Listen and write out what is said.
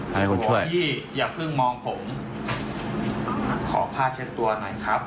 ให้คนช่วยพี่อย่าเพิ่งมองผมขอผ้าเช็ดตัวหน่อยครับ